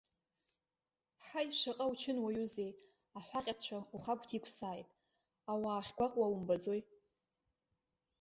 Ҳаи, шаҟа учынуаҩузеи, аҳәаҟьацәа ухагәҭ иқәсааит, ауаа ахьгәаҟуа умбаӡои!